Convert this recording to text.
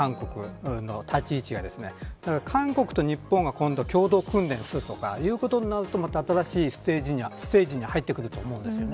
韓国の立ち位置が韓国と日本が共同訓練をするとかいうことになるとまた新しいステージに入ってくると思うんです。